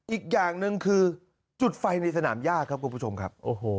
อีกอย่างหนึ่งคือจุดไฟในสนามยากครับคุณผู้ชมครับ